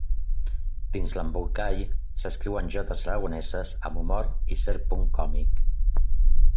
Dins l'embolcall s'escriuen jotes aragoneses amb humor i cert punt còmic.